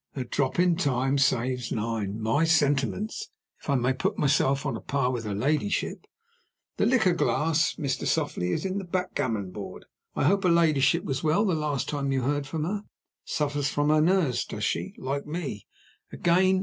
"'A drop in time saves nine' my sentiments, if I may put myself on a par with her ladyship. The liqueur glass, Mr. Softly, is in the backgammon board. I hope her ladyship was well the last time you heard from her? Suffers from her nerves, does she? Like me, again.